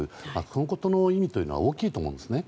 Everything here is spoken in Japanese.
このことの意味は大きいと思うんですね。